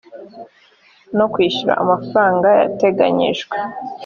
no kwishyura amafaranga yateganyijwe